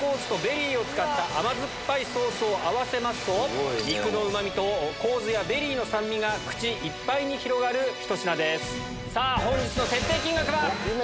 甘酸っぱいソースを合わせますと肉のうま味と香酢やベリーの酸味が口いっぱいに広がるひと品です。